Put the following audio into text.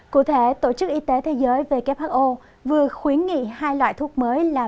cụ thể tổ chức y tế thế giới who vừa khuyến nghị hai loại thuốc mới là